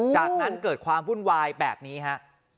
จากนั้นเกิดความวุ่นวายแบบนี้ฮะ